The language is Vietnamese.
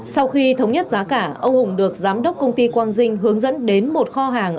sau khi thống nhất giá cả ông hùng được giám đốc công ty quang dinh hướng dẫn đến một kho hàng